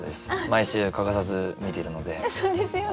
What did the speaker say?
毎週欠かさず見ているので。